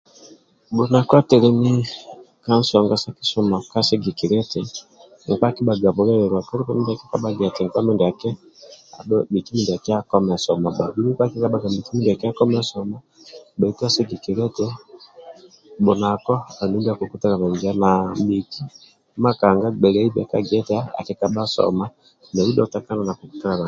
Bhunako atelemi ka nsong sa kisoma ka sigikilia eti nkpa akibhaga buliliwa kalibe mindia akikabhaga nkpa mindiaki miki mindiaki akome soma bba bhaitu sigikilia eti bhunako andulu ndia akibhutalabaniza na miki makanga gbeliaiku sa gia eti akikabha soma nau dhe otakana na na